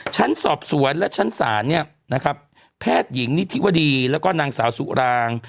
ชั้นสอบสวนและชั้นศาลเนี่ยนะครับแพทย์หญิงนิธิวดีแล้วก็นางสาวสุราง